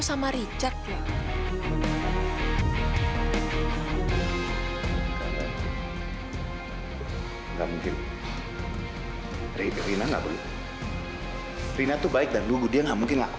sampai jumpa di video selanjutnya